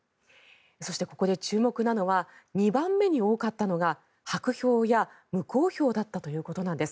そして、ここで注目なのが２番目に多かったのが白票や無効票だったということなんです。